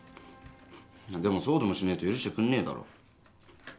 でもそうでもしねえと許してくんねえだろ。